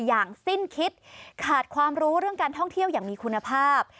อย่างสิ้นคิดขาดความรู้เรื่องการท่องเที่ยวอย่างมีคุณภาพ